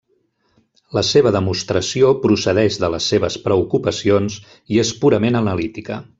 La seva demostració procedeix de les seves preocupacions i és purament analítica.